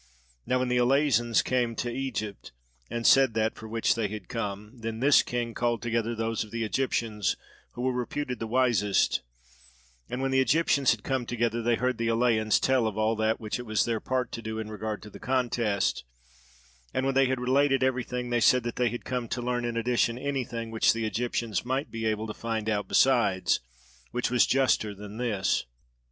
Now when the Eleians came to Egypt and said that for which they had come, then this king called together those of the Egyptians who were reputed the wisest, and when the Egyptians had come together they heard the Eleians tell of all that which it was their part to do in regard to the contest; and when they had related everything, they said that they had come to learn in addition anything which the Egyptians might be able to find out besides, which was juster than this.